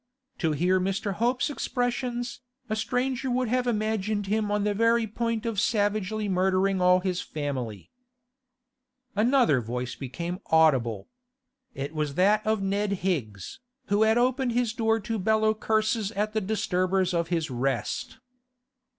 To hear Mr. Hope's expressions, a stranger would have imagined him on the very point of savagely murdering all his family. Another voice became audible. It was that of Ned Higgs, who had opened his door to bellow curses at the disturbers of his rest.